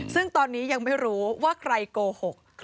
ซึ่งตอนนี้ยังไม่รู้ว่าใครโกหก